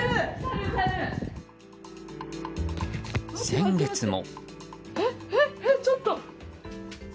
先月も。